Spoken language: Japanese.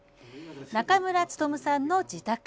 中村勉さんの自宅。